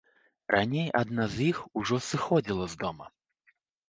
Раней адна з іх ужо сыходзіла з дома.